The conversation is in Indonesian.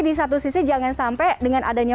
di satu sisi jangan sampai dengan adanya